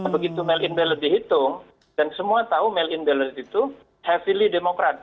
begitu mail in ballot dihitung dan semua tahu mail in ballot itu heavily demokrat